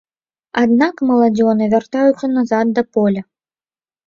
Аднак маладзёны вяртаюцца назад да поля.